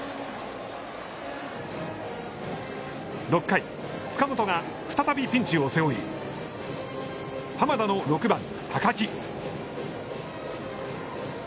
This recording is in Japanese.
６回、塚本が再びピンチを背負い浜田の６番高木。